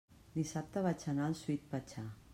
Dissabte vaig anar al Sweet Pachá.